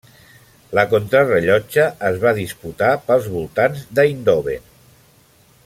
La contrarellotge es va disputar pels voltants d'Eindhoven.